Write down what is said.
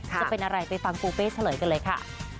จะเป็นอะไรไปฟังปูเป้เฉลยกันเลยค่ะ